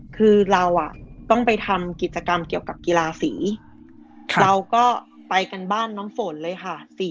คือเราต้องไปทำกิจกรรมเกี่ยวกับกีฬาสีเราก็ไปกันบ้านน้ำฝนเลยค่ะ